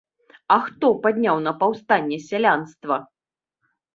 А хто падняў на паўстанне сялянства?